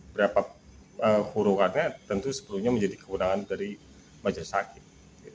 berapa kurungannya tentu sepenuhnya menjadi kekurangan dari majelis hakim